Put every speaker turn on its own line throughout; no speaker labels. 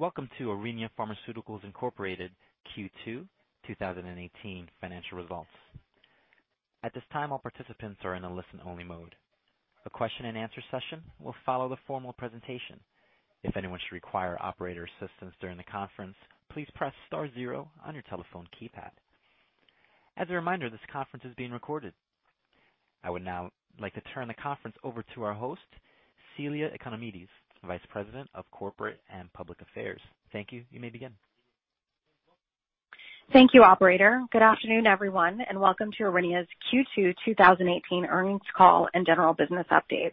Greetings. Welcome to Aurinia Pharmaceuticals Inc. Q2 2018 financial results. At this time, all participants are in a listen-only mode. A question and answer session will follow the formal presentation. If anyone should require operator assistance during the conference, please press star zero on your telephone keypad. As a reminder, this conference is being recorded. I would now like to turn the conference over to our host, Celia Economides, Vice President of Corporate and Public Affairs. Thank you. You may begin.
Thank you, operator. Good afternoon, everyone, and welcome to Aurinia's Q2 2018 earnings call and general business update.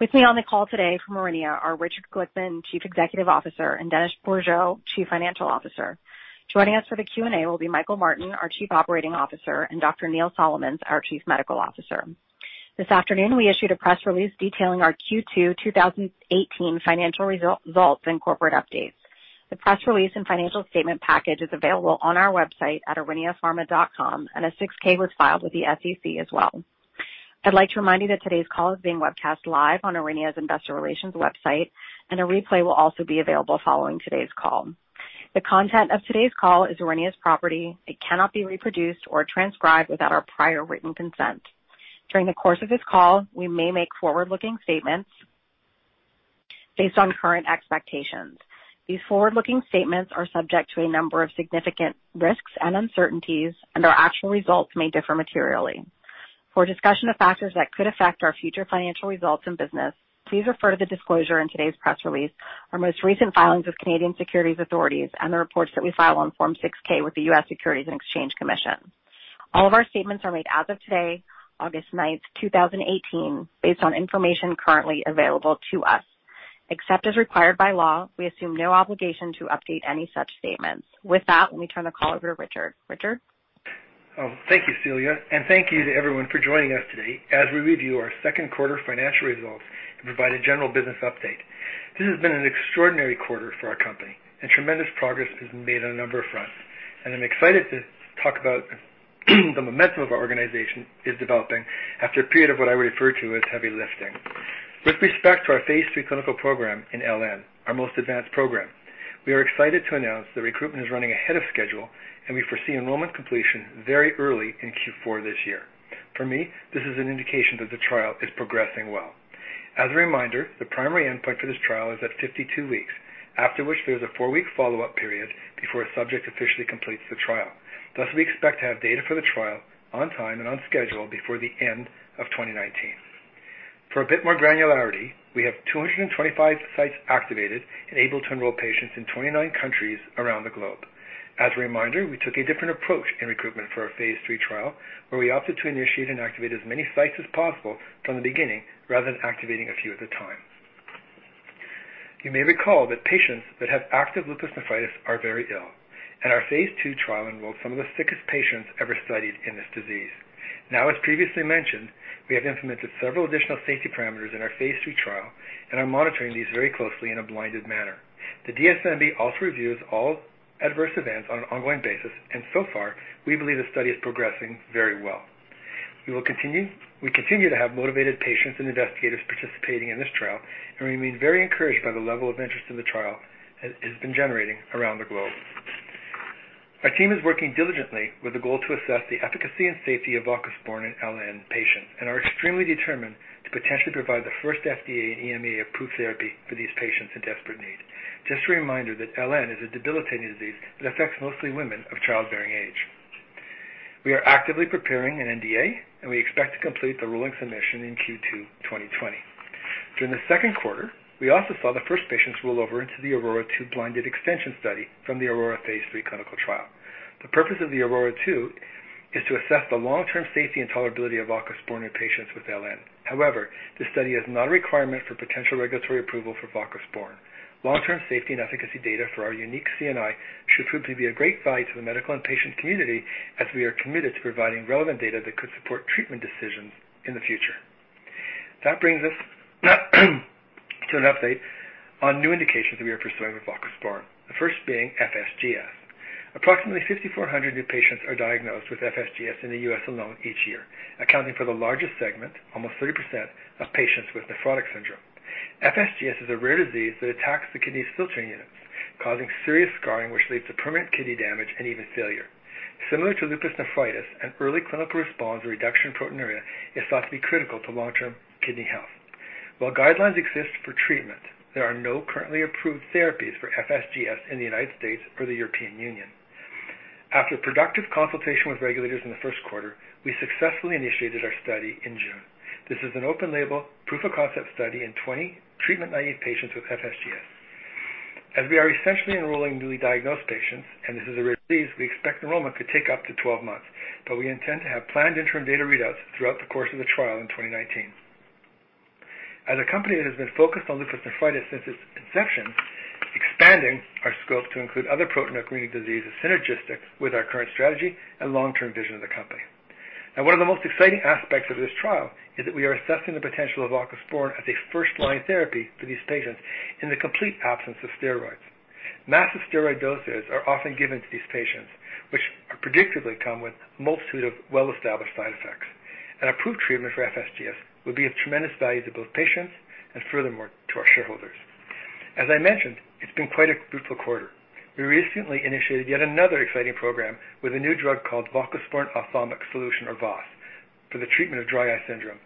With me on the call today from Aurinia are Richard Glickman, Chief Executive Officer, and Dennis Bourgeault, Chief Financial Officer. Joining us for the Q&A will be Michael Martin, our Chief Operating Officer, and Dr. Neil Solomons, our Chief Medical Officer. This afternoon, we issued a press release detailing our Q2 2018 financial results and corporate updates. The press release and financial statement package is available on our website at auriniapharma.com, and a 6-K was filed with the SEC as well. I'd like to remind you that today's call is being webcast live on Aurinia's investor relations website, and a replay will also be available following today's call. The content of today's call is Aurinia's property. It cannot be reproduced or transcribed without our prior written consent. During the course of this call, we may make forward-looking statements based on current expectations. These forward-looking statements are subject to a number of significant risks and uncertainties, and our actual results may differ materially. For a discussion of factors that could affect our future financial results and business, please refer to the disclosure in today's press release, our most recent filings with Canadian securities authorities, and the reports that we file on Form 6-K with the U.S. Securities and Exchange Commission. All of our statements are made as of today, August ninth, 2018, based on information currently available to us. Except as required by law, we assume no obligation to update any such statements. With that, let me turn the call over to Richard. Richard?
Thank you, Celia, and thank you to everyone for joining us today as we review our second quarter financial results and provide a general business update. This has been an extraordinary quarter for our company, and tremendous progress has been made on a number of fronts. I'm excited to talk about the momentum of our organization is developing after a period of what I would refer to as heavy lifting. With respect to our phase III clinical program in LN, our most advanced program, we are excited to announce that recruitment is running ahead of schedule, and we foresee enrollment completion very early in Q4 this year. For me, this is an indication that the trial is progressing well. As a reminder, the primary endpoint for this trial is at 52 weeks, after which there is a four-week follow-up period before a subject officially completes the trial. Thus, we expect to have data for the trial on time and on schedule before the end of 2019. For a bit more granularity, we have 225 sites activated and able to enroll patients in 29 countries around the globe. As a reminder, we took a different approach in recruitment for our phase III trial, where we opted to initiate and activate as many sites as possible from the beginning rather than activating a few at a time. You may recall that patients that have active lupus nephritis are very ill, and our phase II trial enrolled some of the sickest patients ever studied in this disease. Now, as previously mentioned, we have implemented several additional safety parameters in our phase III trial and are monitoring these very closely in a blinded manner. The DSMB also reviews all adverse events on an ongoing basis. So far, we believe the study is progressing very well. We continue to have motivated patients and investigators participating in this trial. We remain very encouraged by the level of interest in the trial it has been generating around the globe. Our team is working diligently with the goal to assess the efficacy and safety of voclosporin in LN patients and are extremely determined to potentially provide the first FDA and EMA-approved therapy for these patients in desperate need. Just a reminder that LN is a debilitating disease that affects mostly women of childbearing age. We are actively preparing an NDA. We expect to complete the rolling submission in Q2 2020. During the second quarter, we also saw the first patients roll over into the AURORA-2 blinded extension study from the AURORA phase III clinical trial. The purpose of the AURORA-2 is to assess the long-term safety and tolerability of voclosporin in patients with LN. However, this study is not a requirement for potential regulatory approval for voclosporin. Long-term safety and efficacy data for our unique CNI should prove to be a great value to the medical and patient community, as we are committed to providing relevant data that could support treatment decisions in the future. That brings us to an update on new indications that we are pursuing with voclosporin, the first being FSGS. Approximately 5,400 new patients are diagnosed with FSGS in the U.S. alone each year, accounting for the largest segment, almost 30%, of patients with nephrotic syndrome. FSGS is a rare disease that attacks the kidney's filtering units, causing serious scarring, which leads to permanent kidney damage and even failure. Similar to lupus nephritis, an early clinical response reduction in proteinuria is thought to be critical to long-term kidney health. While guidelines exist for treatment, there are no currently approved therapies for FSGS in the United States or the European Union. After productive consultation with regulators in the first quarter, we successfully initiated our study in June. This is an open-label proof-of-concept study in 20 treatment-naive patients with FSGS. As we are essentially enrolling newly diagnosed patients, this is a rare disease. We expect enrollment could take up to 12 months. We intend to have planned interim data readouts throughout the course of the trial in 2019. As a company that has been focused on lupus nephritis since its inception, expanding our scope to include other proteinuria diseases synergistic with our current strategy and long-term vision of the company. Now, one of the most exciting aspects of this trial is that we are assessing the potential of voclosporin as a first-line therapy for these patients in the complete absence of steroids. Massive steroid doses are often given to these patients, which predictably come with a multitude of well-established side effects. An approved treatment for FSGS would be of tremendous value to both patients and furthermore to our shareholders. As I mentioned, it's been quite a fruitful quarter. We recently initiated yet another exciting program with a new drug called Voclosporin Ophthalmic Solution, or VOS, for the treatment of dry eye syndrome.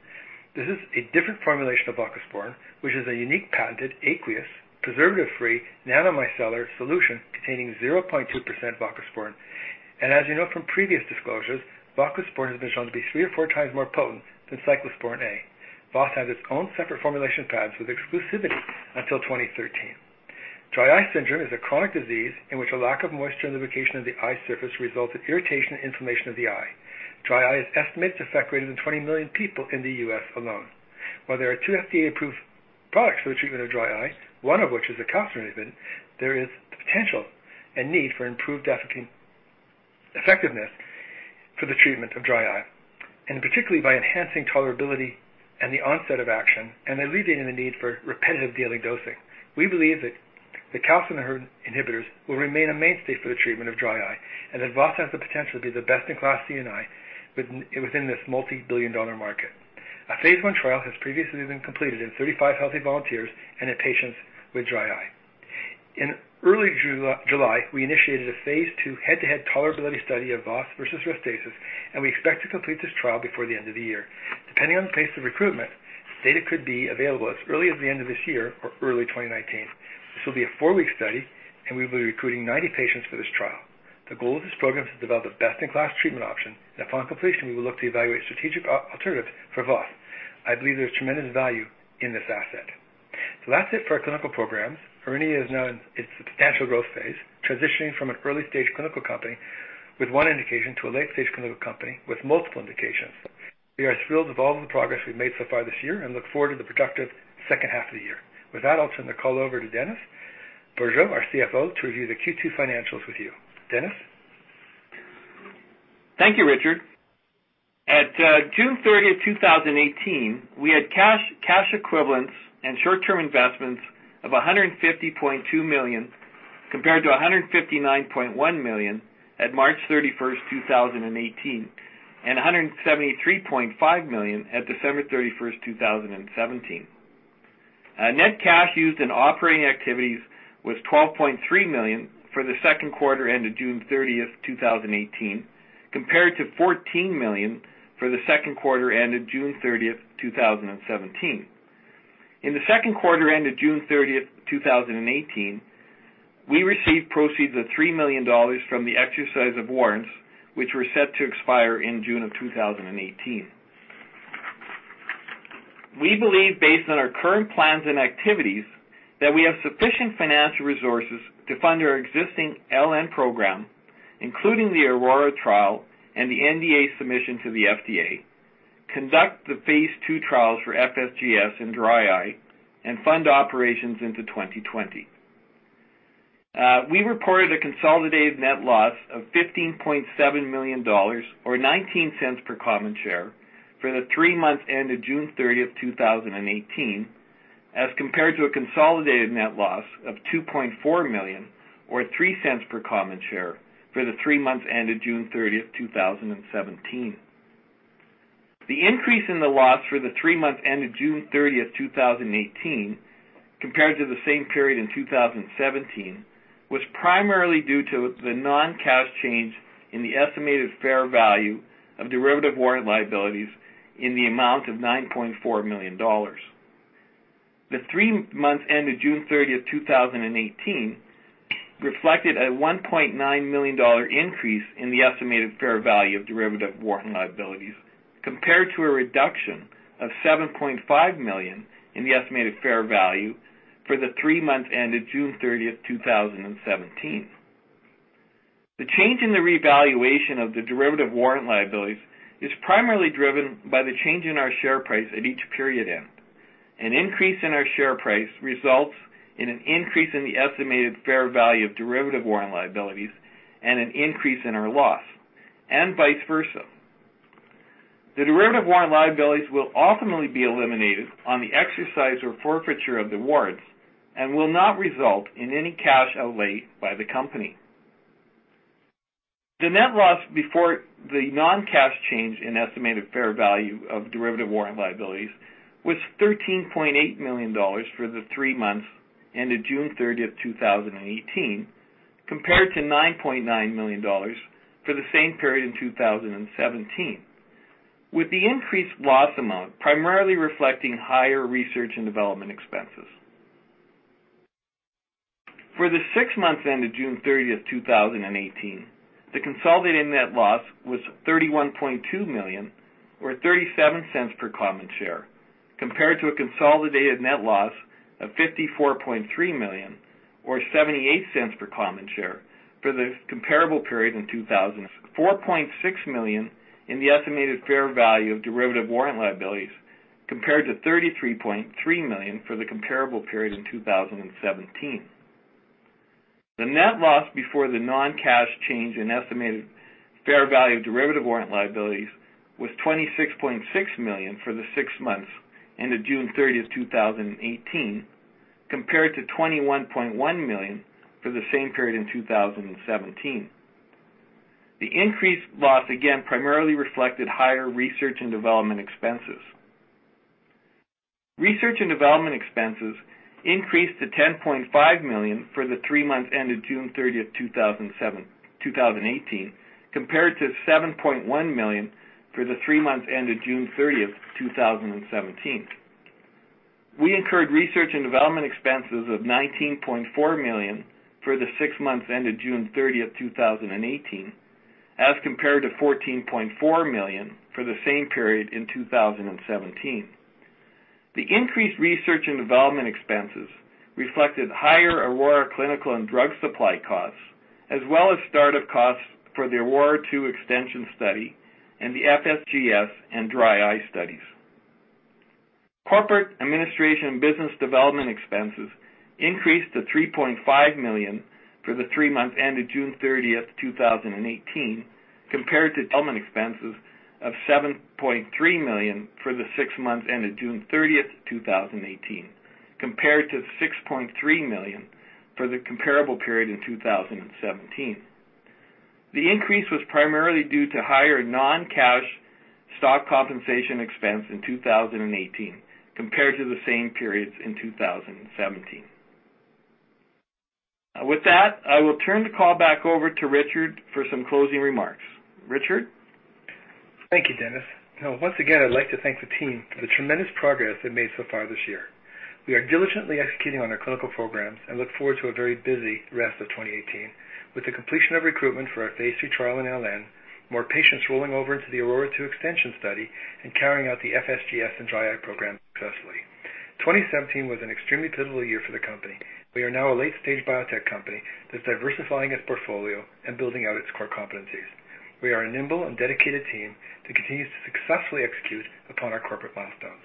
This is a different formulation of voclosporin, which is a unique patented aqueous, preservative free, nanomicellar solution containing 0.2% voclosporin. As you know from previous disclosures, voclosporin has been shown to be three or four times more potent than cyclosporine A. VOS has its own separate formulation patents with exclusivity until 2030. Dry eye syndrome is a chronic disease in which a lack of moisture and lubrication of the eye surface results in irritation and inflammation of the eye. Dry eye is estimated to affect greater than 20 million people in the U.S. alone. While there are two FDA-approved products for the treatment of dry eye, one of which is a calcineurin, there is the potential and need for improved effectiveness for the treatment of dry eye, particularly by enhancing tolerability and the onset of action and alleviating the need for repetitive daily dosing. We believe that the calcineurin inhibitors will remain a mainstay for the treatment of dry eye and that VOS has the potential to be the best-in-class CNI within this multi-billion-dollar market. A phase I trial has previously been completed in 35 healthy volunteers and in patients with dry eye. In early July, we initiated a phase II head-to-head tolerability study of VOS versus RESTASIS, and we expect to complete this trial before the end of the year. Depending on the pace of recruitment, data could be available as early as the end of this year or early 2019. This will be a four-week study, and we will be recruiting 90 patients for this trial. The goal of this program is to develop a best-in-class treatment option, and upon completion, we will look to evaluate strategic alternatives for VOS. I believe there's tremendous value in this asset. That's it for our clinical programs. Aurinia is now in its substantial growth phase, transitioning from an early-stage clinical company with one indication, to a late-stage clinical company with multiple indications. We are thrilled with all of the progress we've made so far this year and look forward to the productive second half of the year. With that, I'll turn the call over to Dennis Bourgeault, our CFO, to review the Q2 financials with you. Dennis?
Thank you, Richard. At June 30th, 2018, we had cash equivalents and short-term investments of 150.2 million, compared to 159.1 million at March 31st, 2018, and 173.5 million at December 31st, 2017. Net cash used in operating activities was 12.3 million for the second quarter ended June 30th, 2018, compared to 14 million for the second quarter ended June 30th, 2017. In the second quarter ended June 30th, 2018, we received proceeds of 3 million dollars from the exercise of warrants, which were set to expire in June of 2018. We believe, based on our current plans and activities, that we have sufficient financial resources to fund our existing LN program, including the AURORA trial and the NDA submission to the FDA, conduct the phase II trials for FSGS and dry eye, and fund operations into 2020. We reported a consolidated net loss of 15.7 million dollars, or 0.19 per common share, for the three months ended June 30th, 2018, as compared to a consolidated net loss of 2.4 million, or 0.03 per common share, for the three months ended June 30th, 2017. The increase in the loss for the three months ended June 30th, 2018, compared to the same period in 2017, was primarily due to the non-cash change in the estimated fair value of derivative warrant liabilities in the amount of 9.4 million dollars. The three months ended June 30th, 2018, reflected a 1.9 million dollar increase in the estimated fair value of derivative warrant liabilities, compared to a reduction of 7.5 million in the estimated fair value for the three months ended June 30th, 2017. The change in the revaluation of the derivative warrant liabilities is primarily driven by the change in our share price at each period end. An increase in our share price results in an increase in the estimated fair value of derivative warrant liabilities and an increase in our loss, and vice versa. The derivative warrant liabilities will ultimately be eliminated on the exercise or forfeiture of the warrants and will not result in any cash outlay by the company. The net loss before the non-cash change in estimated fair value of derivative warrant liabilities was 13.8 million dollars for the three months ended June 30th, 2018, compared to 9.9 million dollars for the same period in 2017, with the increased loss amount primarily reflecting higher research and development expenses. For the six months ended June 30th, 2018, the consolidated net loss was 31.2 million, or 0.37 per common share, compared to a consolidated net loss of 54.3 million, or 0.78 per common share, for the comparable period in 2017. [The six-month net loss included a non-cash charge/loss of]CAD 4.6 million in the estimated fair value of derivative warrant liabilities, compared to [a non-cash charge/loss of] 33.3 million for the comparable period in 2017. The net loss before the non-cash change in estimated fair value of derivative warrant liabilities was 26.6 million for the six months ended June 30th, 2018 compared to 21.1 million for the same period in 2017. The increased loss, again, primarily reflected higher research and development expenses. Research and development expenses increased to 10.5 million for the three months ended June 30th, 2018, compared to 7.1 million for the three months ended June 30th, 2017. We incurred research and development expenses of 19.4 million for the six months ended June 30th, 2018, as compared to 14.4 million for the same period in 2017. The increased research and development expenses reflected higher AURORA clinical and drug supply costs, as well as start-up costs for the AURORA 2 extension study and the FSGS and dry eye studies. Corporate administration business development expenses increased to 3.5 million for the three months ended June 30th, 2018, [compared to CAD 3.0 million for the three months ended June 30th, 2017. For the six months ended June 30th, 2018, corporate administration and business] development expenses [were] CAD 7.3 million, compared to 6.3 million for the comparable period in 2017. The increase was primarily due to higher non-cash stock compensation expense in 2018 compared to the same periods in 2017. With that, I will turn the call back over to Richard for some closing remarks. Richard?
Thank you, Dennis. Once again, I'd like to thank the team for the tremendous progress they've made so far this year. We are diligently executing on our clinical programs and look forward to a very busy rest of 2018. With the completion of recruitment for our phase II trial in LN, more patients rolling over into the AURORA 2 extension study and carrying out the FSGS and dry eye program successfully. 2017 was an extremely pivotal year for the company. We are now a late-stage biotech company that's diversifying its portfolio and building out its core competencies. We are a nimble and dedicated team that continues to successfully execute upon our corporate milestones.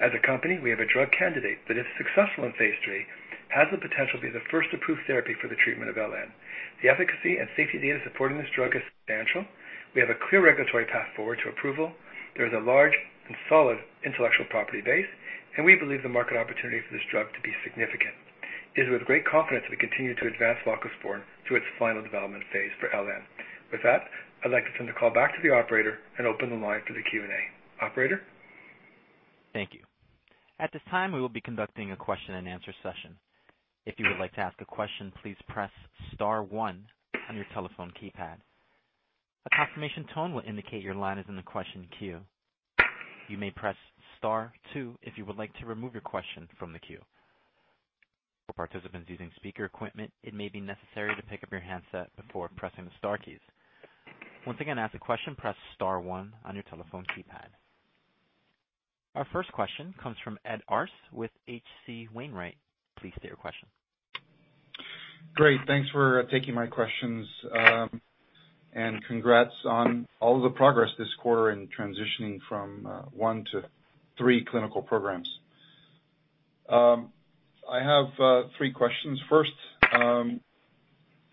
As a company, we have a drug candidate that, if successful in phase III, has the potential to be the first approved therapy for the treatment of LN. The efficacy and safety data supporting this drug is substantial. We have a clear regulatory path forward to approval. There is a large and solid intellectual property base, and we believe the market opportunity for this drug to be significant. It is with great confidence we continue to advance voclosporin to its final development phase for LN. With that, I'd like to turn the call back to the operator and open the line for the Q&A. Operator?
Thank you. At this time, we will be conducting a question and answer session. If you would like to ask a question, please press star one on your telephone keypad. A confirmation tone will indicate your line is in the question queue. You may press star two if you would like to remove your question from the queue. For participants using speaker equipment, it may be necessary to pick up your handset before pressing the star keys. Once again, to ask a question, press star one on your telephone keypad. Our first question comes from Ed Arce with H.C. Wainwright & Co. Please state your question.
Great. Thanks for taking my questions. Congrats on all of the progress this quarter in transitioning from one to three clinical programs. I have three questions. First,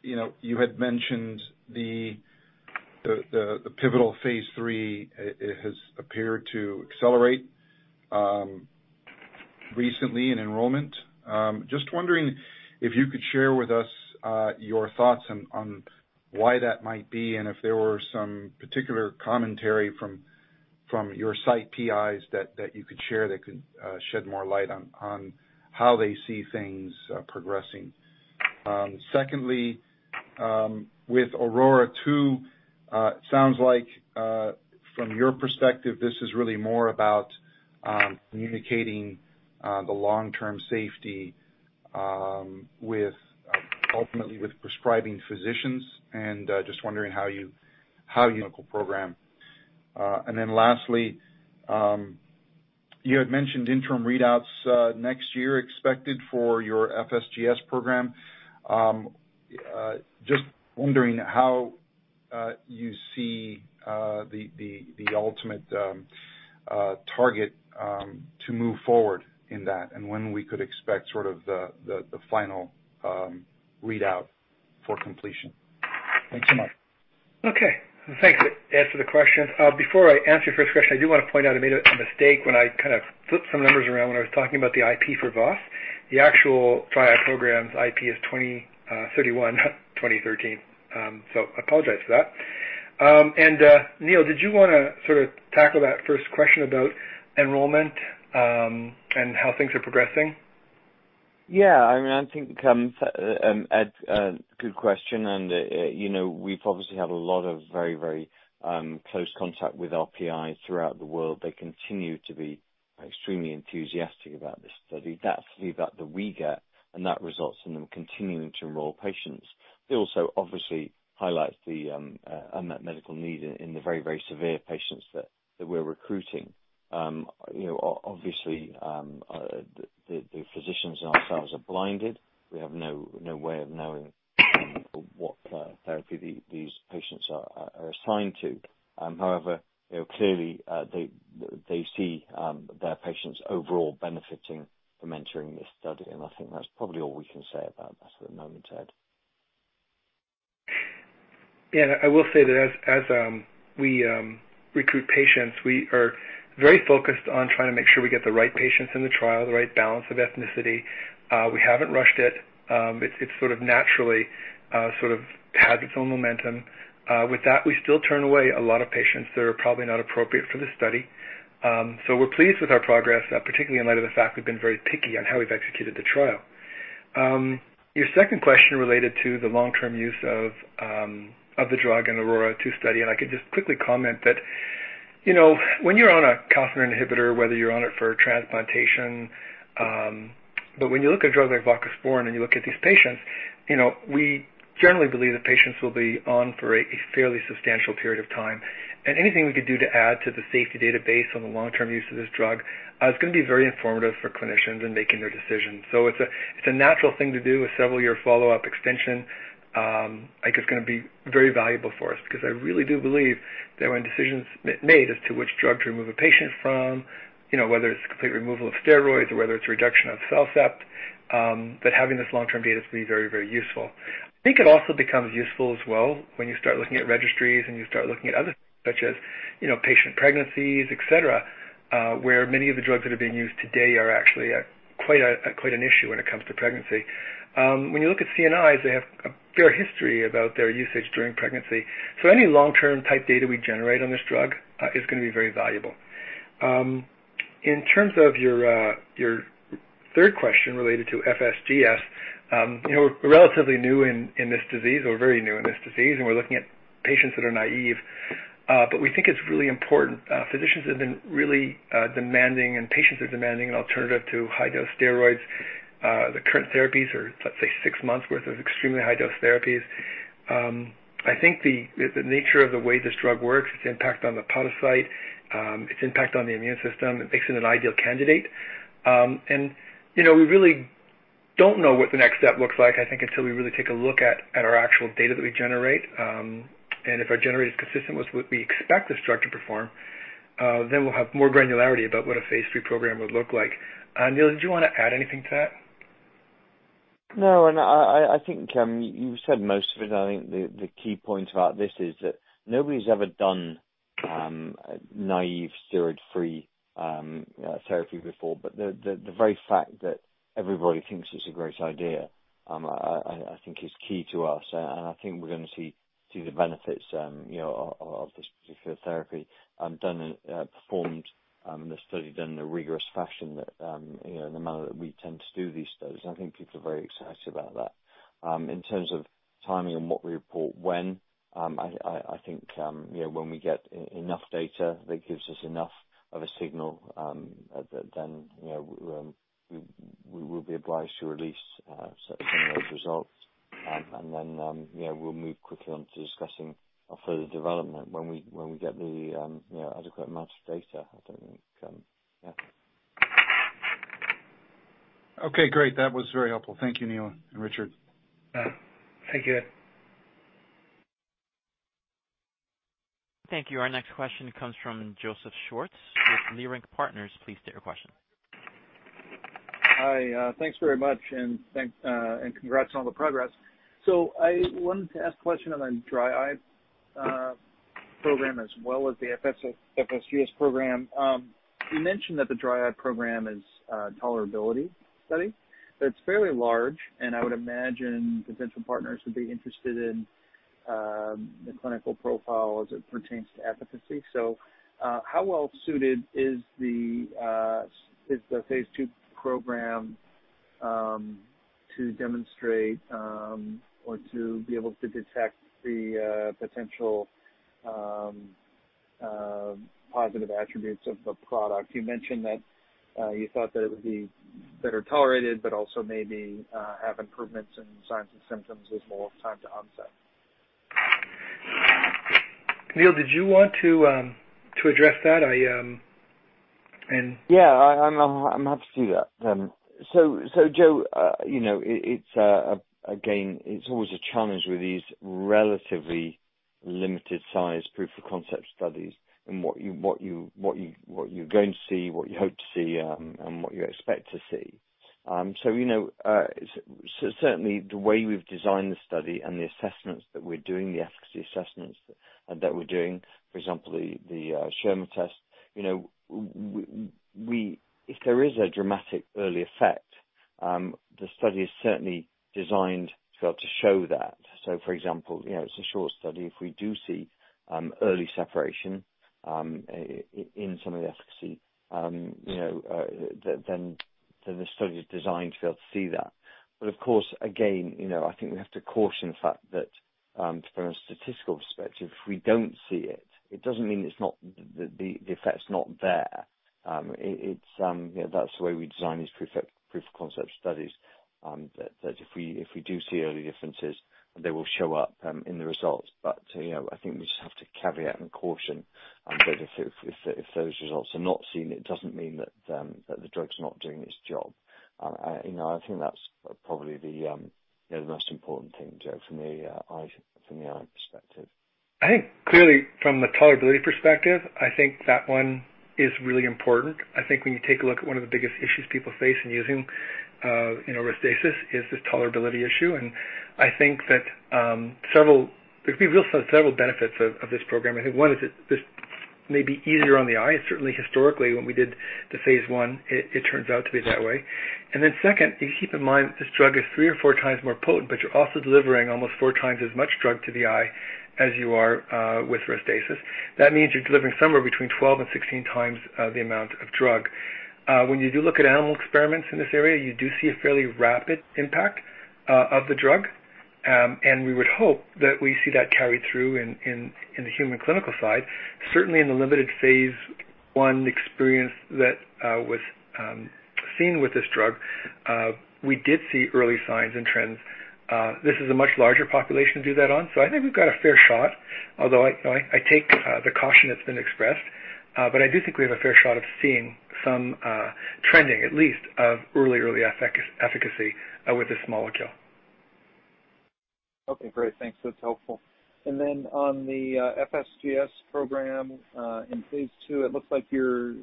you had mentioned the pivotal phase III has appeared to accelerate recently in enrollment. Just wondering if you could share with us your thoughts on why that might be and if there were some particular commentary from your site PIs that you could share that could shed more light on how they see things progressing. Secondly, with AURORA 2, sounds like from your perspective, this is really more about communicating the long-term safety ultimately with prescribing physicians, and just wondering how you. Lastly, you had mentioned interim readouts next year expected for your FSGS program. Just wondering how you see the ultimate target to move forward in that, and when we could expect sort of the final readout for completion. Thanks so much.
Okay. Thanks. Answer the question. Before I answer your first question, I do want to point out I made a mistake when I kind of flipped some numbers around when I was talking about the IP for VOS. The actual trial program's IP [extends to] 2031. [The program started in] 2013. I apologize for that. Neil, did you want to sort of tackle that first question about enrollment, and how things are progressing?
Yeah. I think, Ed, good question. We've obviously had a lot of very close contact with our PIs throughout the world. They continue to be extremely enthusiastic about this study. That's feedback that we get, and that results in them continuing to enroll patients. It also obviously highlights the unmet medical need in the very severe patients that we're recruiting. Obviously, the physicians and ourselves are blinded. We have no way of knowing what therapy these patients are assigned to. However, clearly, they see their patients overall benefiting from entering this study. I think that's probably all we can say about that for the moment, Ed.
I will say that as we recruit patients, we are very focused on trying to make sure we get the right patients in the trial, the right balance of ethnicity. We haven't rushed it. It sort of naturally has its own momentum. With that, we still turn away a lot of patients that are probably not appropriate for the study. We're pleased with our progress, particularly in light of the fact we've been very picky on how we've executed the trial. Your second question related to the long-term use of the drug in AURORA 2 study. I could just quickly comment that, when you're on a calcineurin inhibitor, whether you're on it for a transplantation. When you look at drugs like voclosporin and you look at these patients, we generally believe that patients will be on for a fairly substantial period of time. Anything we could do to add to the safety database on the long-term use of this drug, is going to be very informative for clinicians in making their decisions. It's a natural thing to do, a several-year follow-up extension. I think it's going to be very valuable for us, because I really do believe that when decisions are made as to which drug to remove a patient from, whether it's complete removal of steroids or whether it's reduction of CellCept, that having this long-term data is going to be very useful. I think it also becomes useful as well, when you start looking at registries and you start looking at other things such as, patient pregnancies, et cetera, where many of the drugs that are being used today are actually quite an issue when it comes to pregnancy. When you look at CNIs, they have a fair history about their usage during pregnancy. Any long-term type data we generate on this drug is going to be very valuable. In terms of your third question related to FSGS. We're relatively new in this disease, or very new in this disease, and we're looking at patients that are naive. We think it's really important. Physicians have been really demanding, and patients are demanding an alternative to high-dose steroids. The current therapies are, let's say, six months' worth of extremely high-dose therapies. I think the nature of the way this drug works, its impact on the podocyte, its impact on the immune system, it makes it an ideal candidate. We really don't know what the next step looks like, I think, until we really take a look at our actual data that we generate. If our generate is consistent with what we expect this drug to perform, then we'll have more granularity about what a phase III program would look like. Neil, did you want to add anything to that?
No, I think you said most of it. I think the key point about this is that nobody's ever done a naive steroid-free therapy before. The very fact that everybody thinks it's a great idea, I think is key to us. I think we're going to see the benefits of this particular therapy performed and the study done in a rigorous fashion in the manner that we tend to do these studies. I think people are very excited about that. In terms of timing and what we report when, I think when we get enough data that gives us enough of a signal, then we will be obliged to release certain results. We'll move quickly on to discussing our further development when we get the adequate amount of data. I think.
Okay, great. That was very helpful. Thank you, Neil and Richard.
Thank you.
Thank you. Our next question comes from Joseph Schwartz with Leerink Partners. Please state your question.
Hi. Thanks very much, and congrats on all the progress. I wanted to ask a question on the dry eye program as well as the FSGS program. You mentioned that the dry eye program is a tolerability study, but it's fairly large, and I would imagine potential partners would be interested in the clinical profile as it pertains to efficacy. How well suited is the phase II program to demonstrate or to be able to detect the potential positive attributes of the product? You mentioned that you thought that it would be better tolerated, but also maybe have improvements in signs and symptoms with more time to onset.
Neil, did you want to address that?
Yeah, I'm happy to do that. Joe, again, it's always a challenge with these relatively limited size proof-of-concept studies and what you're going to see, what you hope to see, and what you expect to see. Certainly, the way we've designed the study and the assessments that we're doing, the efficacy assessments that we're doing, for example, the Schirmer test. If there is a dramatic early effect, the study is certainly designed to be able to show that. For example, it's a short study. If we do see early separation in some of the efficacy, the study is designed to be able to see that. Of course, again, I think we have to caution the fact that from a statistical perspective, if we don't see it doesn't mean the effect's not there. That's the way we design these proof-of-concept studies, that if we do see early differences, they will show up in the results. I think we just have to caveat and caution that if those results are not seen, it doesn't mean that the drug's not doing its job. I think that's probably the most important thing, Joe, from the eye perspective.
I think clearly from the tolerability perspective, I think that one is really important. I think when you take a look at one of the biggest issues people face in using RESTASIS is this tolerability issue. I think that there could be several benefits of this program. I think one is that this may be easier on the eye. Certainly historically, when we did the phase I, it turns out to be that way. Then second, you keep in mind this drug is three or four times more potent, but you're also delivering almost four times as much drug to the eye as you are with RESTASIS. That means you're delivering somewhere between 12 and 16 times the amount of drug. When you do look at animal experiments in this area, you do see a fairly rapid impact of the drug. We would hope that we see that carry through in the human clinical side. Certainly, in the limited phase I experience that was seen with this drug, we did see early signs and trends. This is a much larger population to do that on. I think we've got a fair shot, although I take the caution that's been expressed. I do think we have a fair shot of seeing some trending, at least of early efficacy with this molecule.
Okay, great. Thanks. That's helpful. On the FSGS program, in phase II, it looks like you're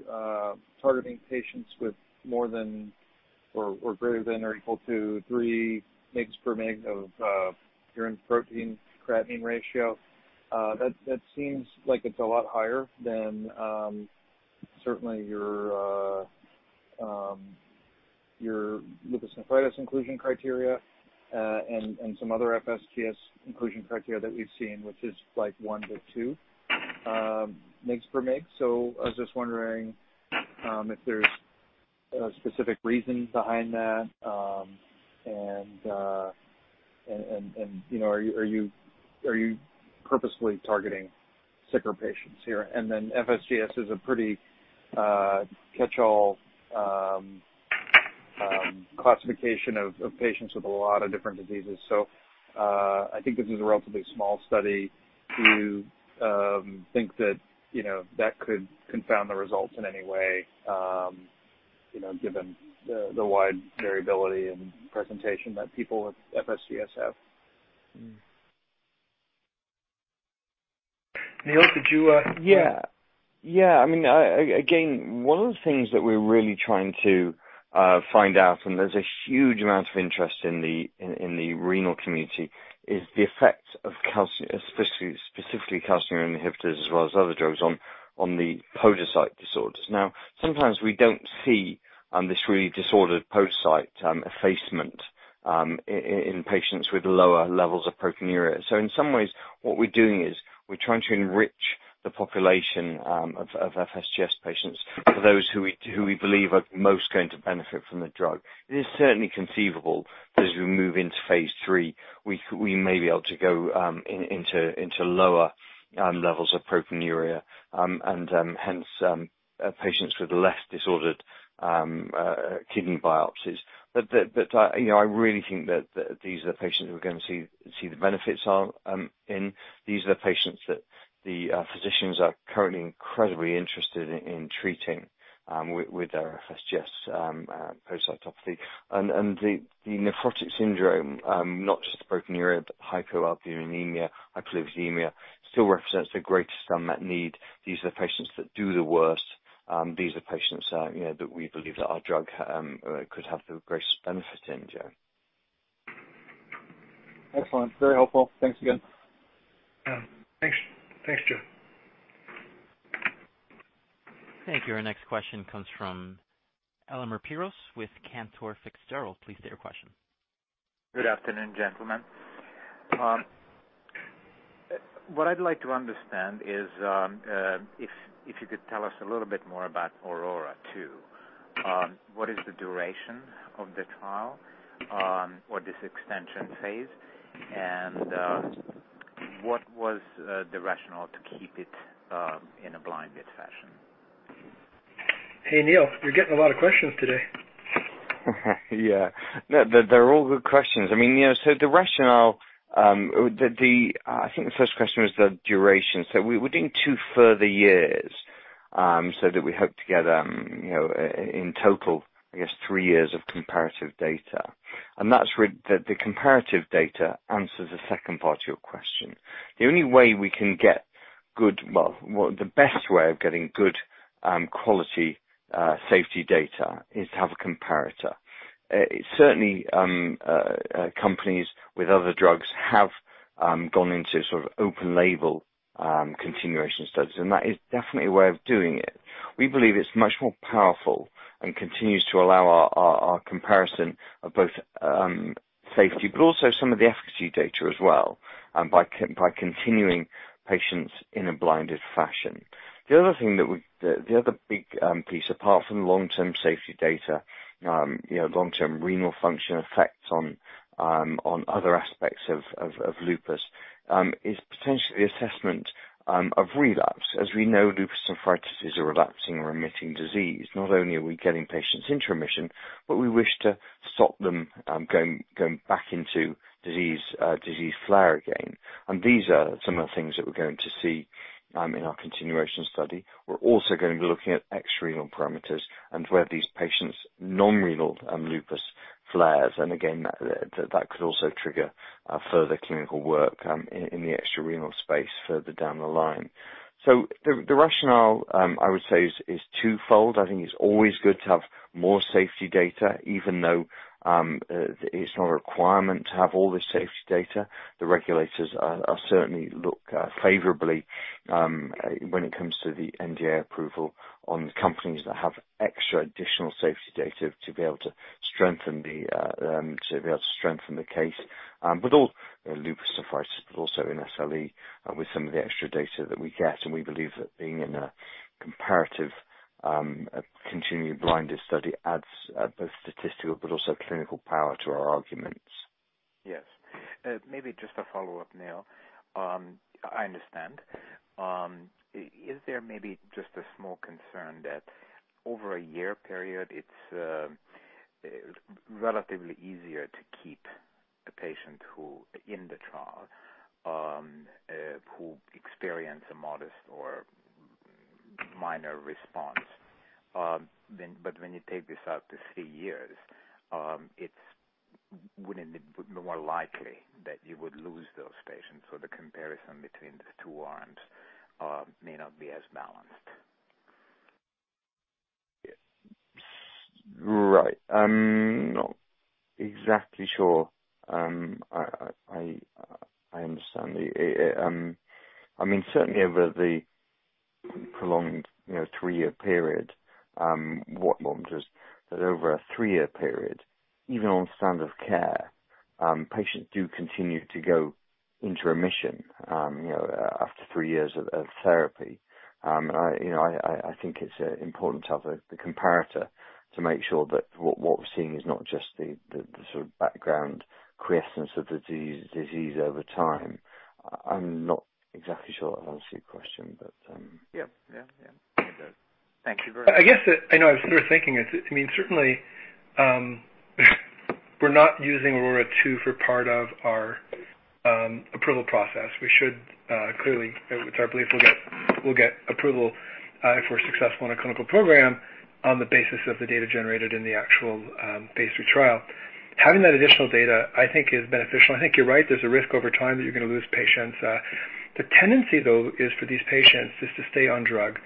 targeting patients with more than or greater than or equal to three mg/mg of urine protein, creatinine ratio. That seems like it's a lot higher than certainly your lupus nephritis inclusion criteria, and some other FSGS inclusion criteria that we've seen, which is like one to two mg/ mg. I was just wondering if there's a specific reason behind that. Are you purposely targeting sicker patients here? FSGS is a pretty catchall classification of patients with a lot of different diseases. I think this is a relatively small study. Do you think that could confound the results in any way, given the wide variability in presentation that people with FSGS have?
Neil, could you-
Yeah. Again, one of the things that we're really trying to find out, and there's a huge amount of interest in the renal community, is the effect of, specifically calcineurin inhibitors, as well as other drugs on the podocyte disorders. Sometimes we don't see this really disordered podocyte effacement in patients with lower levels of proteinuria. In some ways, what we're doing is we're trying to enrich the population of FSGS patients for those who we believe are most going to benefit from the drug. It is certainly conceivable that as we move into phase III, we may be able to go into lower levels of proteinuria, and hence, patients with less disordered kidney biopsies. I really think that these are the patients who are going to see the benefits in. These are the patients that the physicians are currently incredibly interested in treating with our FSGS podocytopathy. The nephrotic syndrome, not just the proteinuria, but hypoalbuminemia, hypercholesterolemia still represents the greatest unmet need. These are the patients that do the worst. These are patients that we believe that our drug could have the greatest benefit in, Joe.
Excellent. Very helpful. Thanks again.
Thanks, Joe.
Thank you. Our next question comes from Elemer Piros with Cantor Fitzgerald. Please state your question.
Good afternoon, gentlemen. What I'd like to understand is, if you could tell us a little bit more about AURORA 2. What is the duration of the trial, or this extension phase, and what was the rationale to keep it in a blinded fashion?
Hey, Neil, you're getting a lot of questions today.
Yeah. They're all good questions. The rationale, I think the first question was the duration. We're doing two further years, so that we hope to get, in total, I guess, three years of comparative data. The comparative data answers the second part to your question. The only way we can get good, well, the best way of getting good quality safety data is to have a comparator. Certainly, companies with other drugs have gone into sort of open label continuation studies, and that is definitely a way of doing it. We believe it's much more powerful and continues to allow our comparison of both safety, but also some of the efficacy data as well, by continuing patients in a blinded fashion. The other big piece, apart from the long-term safety data, long-term renal function effects on other aspects of lupus, is potentially assessment of relapse. As we know, lupus nephritis is a relapsing or remitting disease. Not only are we getting patients into remission, but we wish to stop them going back into disease flare again. These are some of the things that we're going to see in our continuation study. We're also going to be looking at extrarenal parameters and where these patients' non-renal lupus flares, and again, that could also trigger further clinical work in the extrarenal space further down the line. The rationale, I would say, is twofold. I think it's always good to have more safety data, even though it's not a requirement to have all the safety data. The regulators certainly look favorably when it comes to the NDA approval on companies that have extra additional safety data to be able to strengthen the case. With all lupus surfaces, but also in SLE, with some of the extra data that we get, we believe that being in a comparative continually blinded study adds both statistical but also clinical power to our arguments.
Yes. Maybe just a follow-up, Neil. I understand. Is there maybe just a small concern that over a year period, it's relatively easier to keep a patient who, in the trial, experiences a modest or minor response. When you take this out to 3 years, wouldn't it be more likely that you would lose those patients? The comparison between the two arms may not be as balanced.
Right. I'm not exactly sure. I understand. Certainly over the prolonged three-year period, what Michael just said, over a three-year period, even on standard care, patients do continue to go into remission, after three years of therapy. I think it's important to have the comparator to make sure that what we're seeing is not just the sort of background quiescence of the disease over time. I'm not exactly sure I've answered your question.
Yeah. Thank you very much.
I guess, I was sort of thinking, certainly, we're not using AURORA 2 for part of our approval process. It's our belief we'll get approval if we're successful in a clinical program on the basis of the data generated in the actual phase II trial. Having that additional data, I think is beneficial. I think you're right, there's a risk over time that you're going to lose patients. The tendency, though, is for these patients is to stay on drug.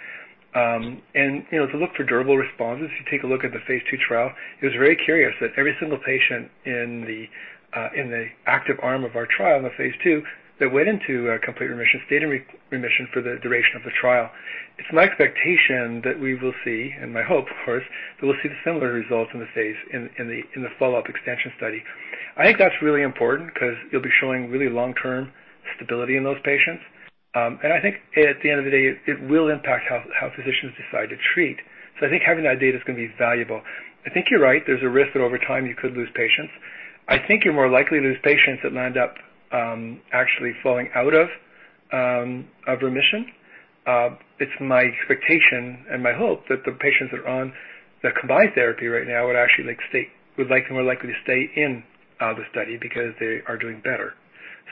To look for durable responses, if you take a look at the phase II trial, it was very curious that every single patient in the active arm of our trial in the phase II that went into complete remission, stayed in remission for the duration of the trial. It's my expectation that we will see, and my hope, of course, that we'll see the similar results in the follow-up expansion study. I think that's really important because you'll be showing really long-term stability in those patients. I think at the end of the day, it will impact how physicians decide to treat. I think having that data is going to be valuable. I think you're right. There's a risk that over time you could lose patients. I think you're more likely to lose patients that land up actually falling out of remission. It's my expectation and my hope that the patients that are on the combined therapy right now would actually more likely to stay in the study because they are doing better.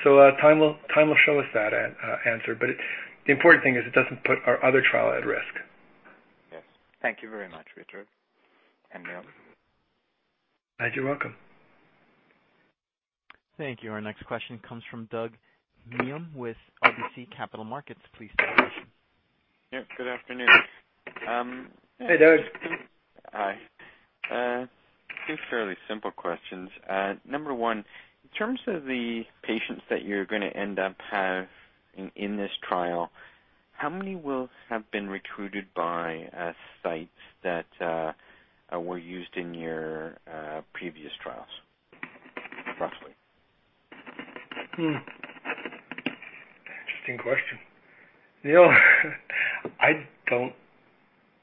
Time will show us that answer. The important thing is it doesn't put our other trial at risk.
Yes. Thank you very much, Richard and Neil.
You're welcome.
Thank you. Our next question comes from Douglas Miehm with RBC Capital Markets. Please start your question.
Yeah, good afternoon.
Hey, Doug.
Hi. Two fairly simple questions. Number one, in terms of the patients that you're going to end up having in this trial, how many will have been recruited by sites that were used in your previous trials, roughly?
Interesting question. Neil I don't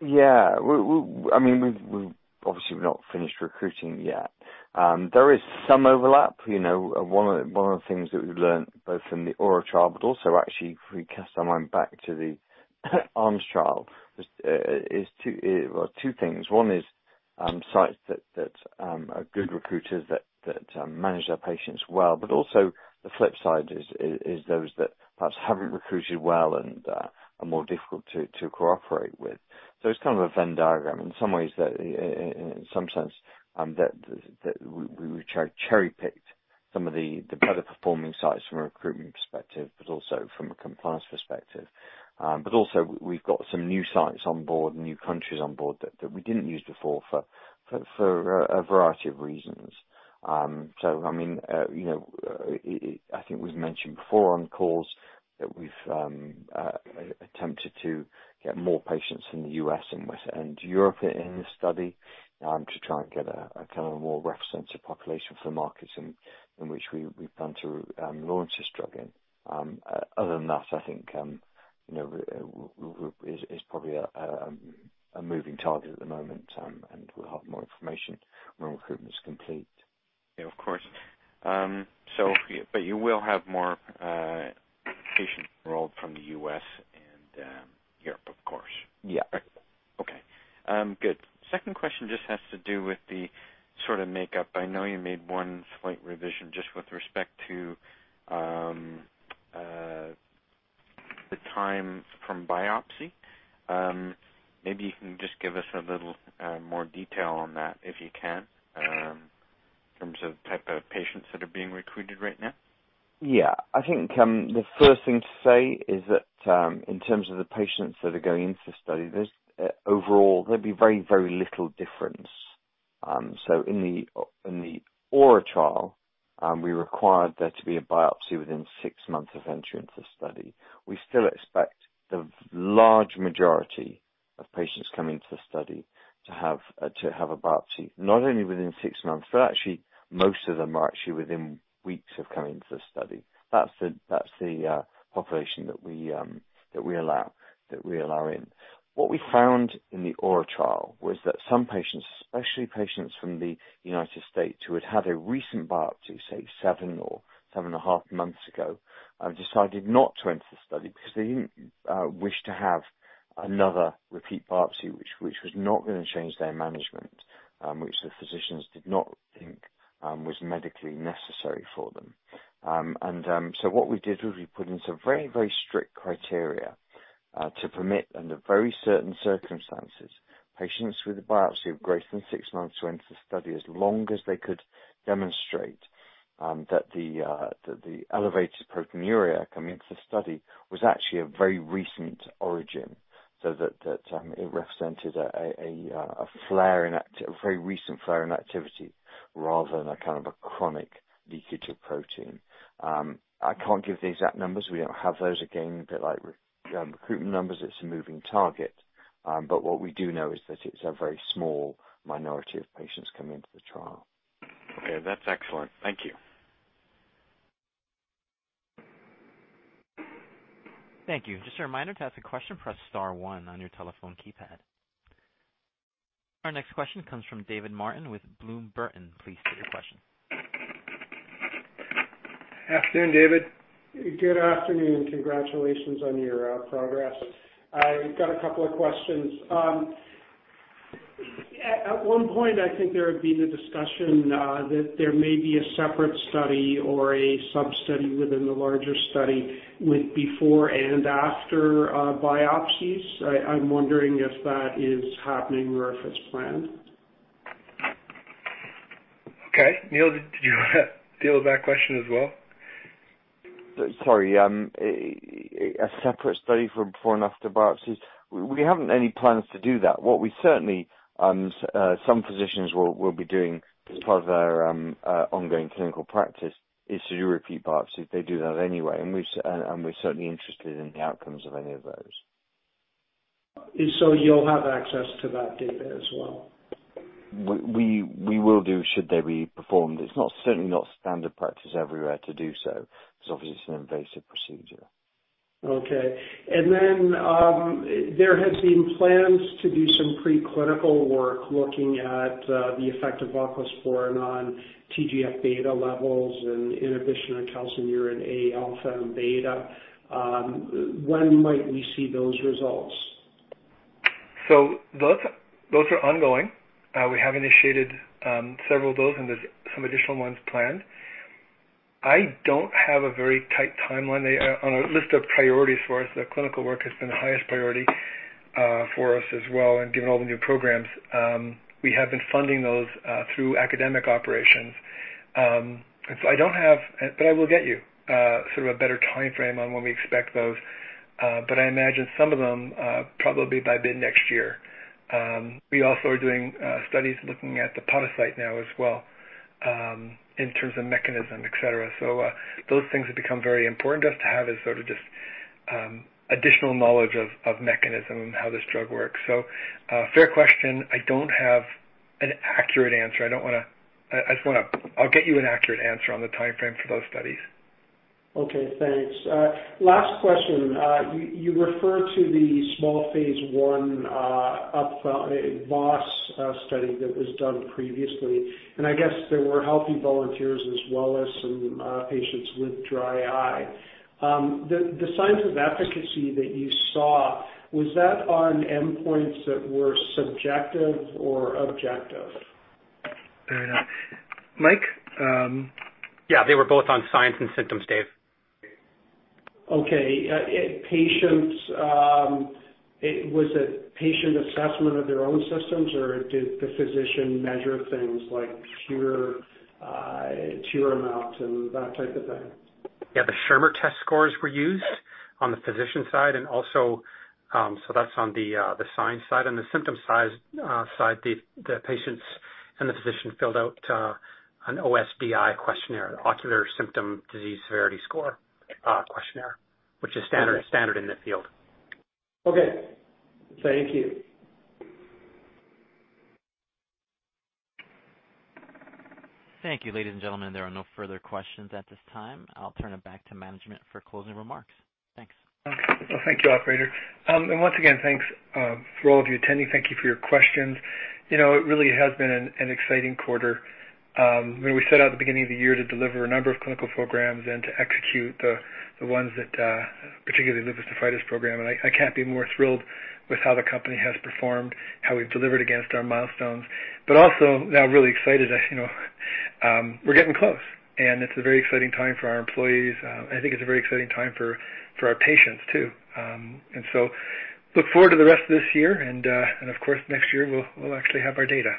Yeah. We've obviously not finished recruiting yet. There is some overlap. One of the things that we've learned both from the AURORA trial, but also actually if we cast our mind back to the ALMS trial, is two things. One is sites that are good recruiters that manage their patients well. Also the flip side is those that perhaps haven't recruited well and are more difficult to cooperate with. It's kind of a Venn diagram in some ways that in some sense that we cherry-picked some of the better performing sites from a recruitment perspective, but also from a compliance perspective. Also, we've got some new sites on board, new countries on board that we didn't use before for a variety of reasons. I think we've mentioned before on calls that we've attempted to get more patients in the U.S. Europe in this study to try and get a more representative population for the markets in which we plan to launch this drug in. Other than that, I think is probably a moving target at the moment, and we'll have more information when recruitment is complete.
Yeah. Of course. You will have more patients enrolled from the U.S. and Europe, of course.
Yeah.
Okay. Good. Second question just has to do with the sort of makeup. I know you made one slight revision just with respect to- Time from biopsy. Maybe you can just give us a little more detail on that, if you can, in terms of type of patients that are being recruited right now.
Yeah. I think the first thing to say is that in terms of the patients that are going into the study, overall, there'd be very, very little difference. In the AURA-LV trial, we required there to be a biopsy within six months of entry into the study. We still expect the large majority of patients coming to the study to have a biopsy, not only within six months, but actually most of them are actually within weeks of coming to the study. That's the population that we allow in. What we found in the AURA-LV trial was that some patients, especially patients from the U.S. who had had a recent biopsy, say seven or seven and a half months ago, decided not to enter the study because they didn't wish to have another repeat biopsy, which was not going to change their management, which the physicians did not think was medically necessary for them. What we did was we put in some very, very strict criteria, to permit under very certain circumstances, patients with a biopsy of greater than six months to enter the study as long as they could demonstrate that the elevated proteinuria coming into the study was actually of very recent origin, so that it represented a very recent flare in activity rather than a kind of a chronic leakage of protein. I can't give the exact numbers. We don't have those. Again, a bit like recruitment numbers, it's a moving target. What we do know is that it's a very small minority of patients coming into the trial.
Okay, that's excellent. Thank you.
Thank you. Just a reminder, to ask a question, press star one on your telephone keypad. Our next question comes from David Martin with Bloom Burton. Please state your question.
Afternoon, David.
Good afternoon. Congratulations on your progress. I've got a couple of questions. At one point, I think there had been a discussion that there may be a separate study or a sub-study within the larger study with before and after biopsies. I'm wondering if that is happening or if it's planned.
Okay. Neil, did you want to deal with that question as well?
Sorry. A separate study for before and after biopsies? We haven't any plans to do that. What certainly some physicians will be doing as part of their ongoing clinical practice is to do repeat biopsies. They do that anyway. We're certainly interested in the outcomes of any of those.
You'll have access to that data as well.
We will do, should they be performed. It's certainly not standard practice everywhere to do so, because obviously it's an invasive procedure.
Okay. There has been plans to do some preclinical work looking at the effect of voclosporin on TGF-beta levels and inhibition of calcineurin A alpha and beta. When might we see those results?
Those are ongoing. We have initiated several of those, and there's some additional ones planned. I don't have a very tight timeline. On our list of priorities for us, the clinical work has been the highest priority for us as well. Given all the new programs, we have been funding those through academic operations. I will get you sort of a better timeframe on when we expect those. I imagine some of them probably by mid-next year. We also are doing studies looking at the podocyte now as well, in terms of mechanism, et cetera. Those things have become very important just to have as sort of just additional knowledge of mechanism and how this drug works. Fair question. I don't have an accurate answer. I'll get you an accurate answer on the timeframe for those studies.
Okay, thanks. Last question. You refer to the small phase I VOS study that was done previously, and I guess there were healthy volunteers as well as some patients with dry eye. The signs of efficacy that you saw, was that on endpoints that were subjective or objective?
Fair enough. Mike?
Yeah. They were both on signs and symptoms, Dave.
Okay. Was it patient assessment of their own symptoms, or did the physician measure things like tear amount and that type of thing?
Yeah, the Schirmer test scores were used on the physician side, so that's on the signs side. On the symptoms side, the patients and the physician filled out an OSDI questionnaire, Ocular Symptom Disease Severity Score questionnaire, which is standard in the field.
Okay. Thank you.
Thank you, ladies and gentlemen. There are no further questions at this time. I'll turn it back to management for closing remarks. Thanks.
Thank you, operator. Once again, thanks for all of you attending. Thank you for your questions. It really has been an exciting quarter. We set out at the beginning of the year to deliver a number of clinical programs and to execute the ones, particularly the uveitis program. I can't be more thrilled with how the company has performed, how we've delivered against our milestones, but also now really excited as we're getting close, and it's a very exciting time for our employees. I think it's a very exciting time for our patients, too. Look forward to the rest of this year, and, of course, next year we'll actually have our data.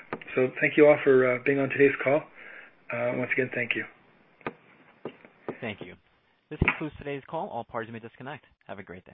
Thank you all for being on today's call. Once again, thank you.
Thank you. This concludes today's call. All parties may disconnect. Have a great day.